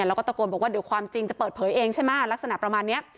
แล้วก็ตะโกนบอกว่าเดี๋ยวความจริงจะเปิดเผยเองใช่ไหมลักษณะประมาณนี้